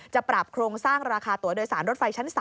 จะปรับโครงสร้างราคาตัวโดยสารรถไฟชั้น๓